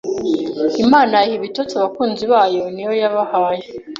Imana iha ibitotsi abakunzi bayo ni Yo yabahaye